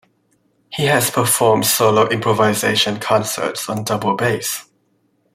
He has performed solo improvisation concerts on double bass.